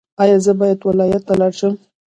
ایا زه باید ولایت ته لاړ شم؟